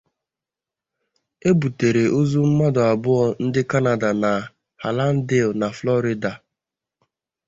E butere ozu mmadụ abụọ ndị Canada na Hallandale na Florida